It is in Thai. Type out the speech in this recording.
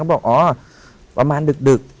บอกอ๋อประมาณดึก